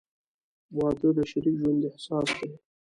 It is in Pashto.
• واده د شریک ژوند اساس دی.